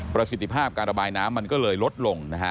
ประสิทธิภาพการระบายน้ำมันก็เลยลดลงนะฮะ